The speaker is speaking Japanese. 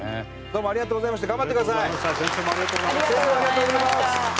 先生もありがとうございます。